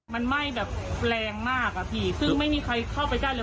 มันไหม้แบบแรงมากอะพี่ซึ่งไม่มีใครเข้าไปได้เลย